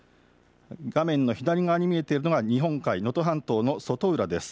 画面の左側に見えているのが日本海、能登半島の外浦です。